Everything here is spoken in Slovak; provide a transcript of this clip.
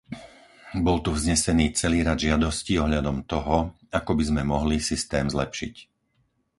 Bol tu vznesený celý rad žiadostí ohľadom toho, ako by sme mohli systém zlepšiť.